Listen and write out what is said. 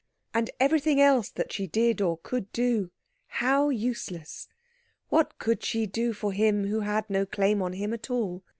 And everything else that she did or could do how useless. What could she do for him, who had no claim on him at all?